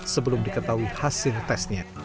sebelum diketahui hasil tesnya